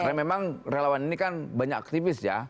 karena memang relawan ini kan banyak aktivis ya